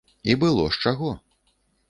І было з чаго.